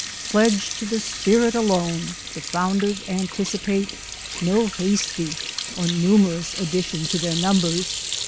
"Pledged to the spirit alone, the founders an 'v ticipate no hasty or numerous addition to their \ numbers.